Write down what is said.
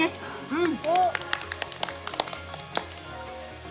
うん！